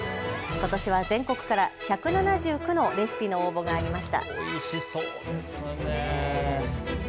ことしは全国から１７９のレシピの応募がありました。